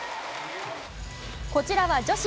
こちらは女子。